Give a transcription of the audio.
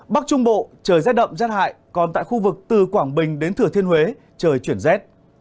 bắc trung bộ trời rét đậm rét hại còn tại khu vực từ quảng bình đến thừa thiên huế trời chuyển rét